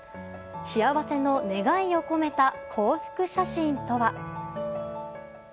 幸せの願いを込めた幸福写真とは。